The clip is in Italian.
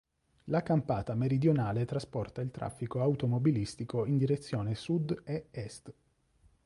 La campata meridionale trasporta il traffico automobilistico in direzione sud e est.